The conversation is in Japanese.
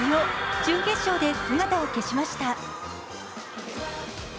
準決勝で姿を消しました。